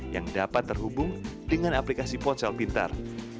yang dapat terhubung dengan aplikasi ponsel pintar